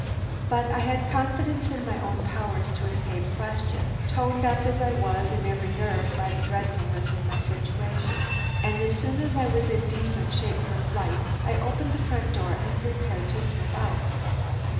"But I had confidence in my own powers to escape question, toned up as I was in every nerve by the dreadfulness of my situation, and as soon as I was in decent shape for flight, I opened the front door and prepared to slip out.